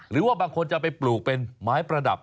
หรือว่าบางคนจะไปปลูกเป็นไม้ประดับ